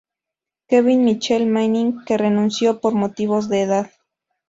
Kevin Michael Manning que renunció por motivos de edad.